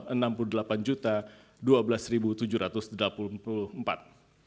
pemohon dalam permohonannya sama sekali tidak membuktikan dasar dasar perhitungan yang didalilkan